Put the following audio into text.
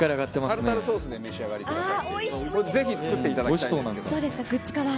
タルタルソースでお召し上がりください。